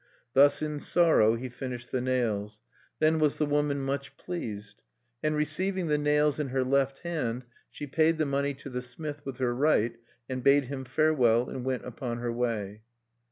Thus in sorrow he finished the nails. Then was the woman much pleased. And receiving the nails in her left hand, she paid the money to the smith with her right, and bade him farewell, and went upon her way.